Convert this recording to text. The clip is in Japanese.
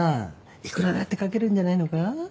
いくらだって描けるんじゃないのか？